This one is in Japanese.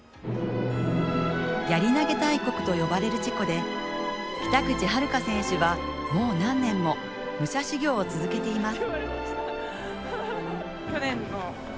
やり投げ大国と呼ばれるチェコで北口榛花選手はもう何年も武者修行を続けています。